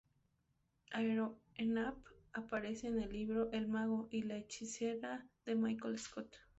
Aerop-Enap aparece en el libro El Mago y La Hechicera de Michael Scott.